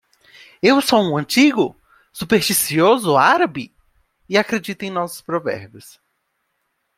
Eu sou um antigo? supersticioso árabe? e acredito em nossos provérbios.